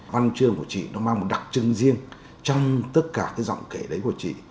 văn chương của chị nó mang một đặc trưng riêng trong tất cả cái giọng kể đấy của chị